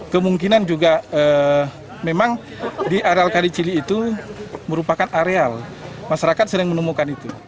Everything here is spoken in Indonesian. kemungkinan juga memang di areal kalicili itu merupakan areal masyarakat sering menemukan itu